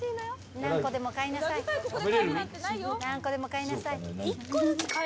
何個でも買いなさい。